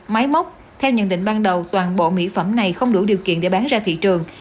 máy móc theo nhận định ban đầu toàn bộ mỹ phẩm này không đủ điều kiện để bán ra thị trường